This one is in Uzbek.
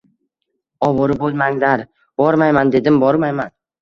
Ovora bo‘lmanglar, bormayman dedim, bormayman